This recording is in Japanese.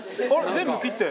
全部切って？